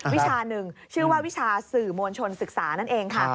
วิชาหนึ่งชื่อว่าวิชาสื่อมวลชนศึกษานั่นเองค่ะ